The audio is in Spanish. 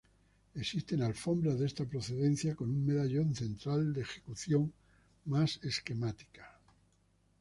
Existen alfombras de esta procedencia com un medallón central, de ejecución más esquemática.